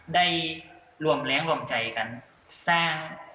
ได้รวมแรงรวมใจกันสร้าง